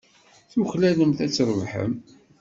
Tuklalem ad trebḥem.